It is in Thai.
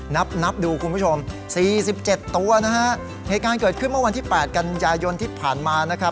นับนับดูคุณผู้ชมสี่สิบเจ็ดตัวนะฮะเหตุการณ์เกิดขึ้นเมื่อวันที่แปดกันยายนที่ผ่านมานะครับ